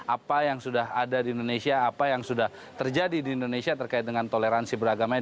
apa yang sudah ada di indonesia apa yang sudah terjadi di indonesia terkait dengan toleransi beragama